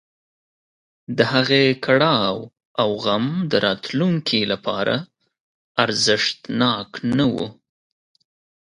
د هغې کړاو او غم د راتلونکي لپاره ارزښتناک نه و.